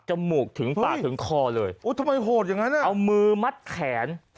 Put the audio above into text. จมูกถึงปากถึงคอเลยเอามือมัดแขน